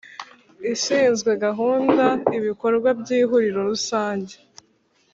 ishinzwe gahunda ibikorwa by Ihuriro rusanjye